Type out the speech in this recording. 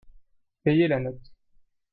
Payez la note.